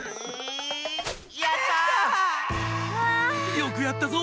よくやったぞ。